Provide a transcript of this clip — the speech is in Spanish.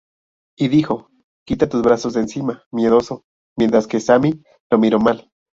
Y dijo: "Quita tus brazos de encima, miedoso", mientras que Sami lo miró mal.